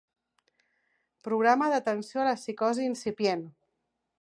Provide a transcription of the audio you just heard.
Programa d'atenció a la psicosi incipient.